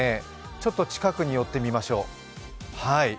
ちょっと近くに寄ってみましょう。